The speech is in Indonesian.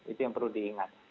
itu yang perlu diingat